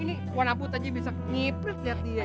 nah wanaput aja bisa ngipret liat dia